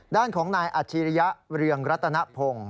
ด้านของนายอาชิริยะเรืองรัตนพงศ์